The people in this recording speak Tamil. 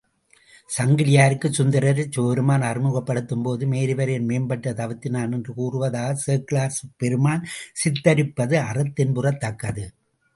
சங்கிலியாருக்குச் சுந்தரரைச் சிவபெருமான் அறிமுகப் படுத்தும்போது, மேருவரையின் மேம்பட்ட தவத்தினான் என்று கூறுவதாகச் சேக்கிழார் பெருமான் சித்திரித்திருப்பது அறிந்தின்புறத்தக்கது.